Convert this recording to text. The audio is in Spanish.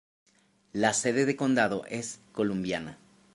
La sede de condado es Columbiana.